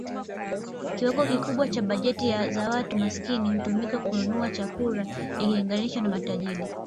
Kiwango kikubwa cha bajeti za watu maskini hutumika kununua chakula ikilinganishwa na matajiri.